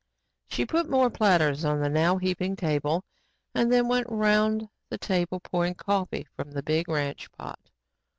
She put more platters on the now heaping table and then went around the table pouring coffee from the big ranch pot.